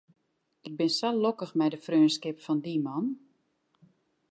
Ik bin sa lokkich mei de freonskip fan dy man.